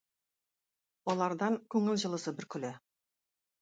Алардан күңел җылысы бөркелә.